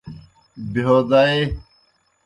بہیو دائے۔